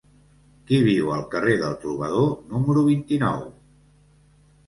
Qui viu al carrer del Trobador número vint-i-nou?